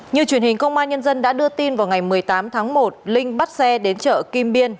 như truyền hình công an nhân dân đã đưa tin vào ngày một mươi tám tháng một linh bắt xe đến chợ kim biên